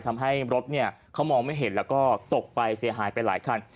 ทำให้รถเขามองไม่เห็นแล้วก็ตกไปเสียหายไปหลายคัน